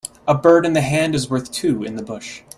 A bird in the hand is worth two in the bush.